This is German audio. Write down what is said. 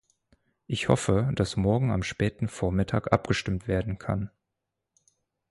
Ich hoffe, dass morgen am späten Vormittag abgestimmt werden kann.